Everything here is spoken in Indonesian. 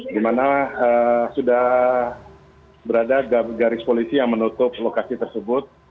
di mana sudah berada garis polisi yang menutup lokasi tersebut